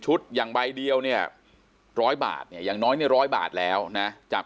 ชุดอย่างใบเดียวเนี่ย๑๐๐บาทเนี่ยยังน้อย๑๐๐บาทแล้วนะจาก